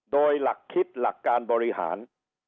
โดยหลักคิดหลักการบริหาร